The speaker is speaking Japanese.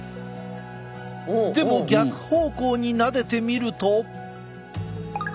でも逆方向になでてみると。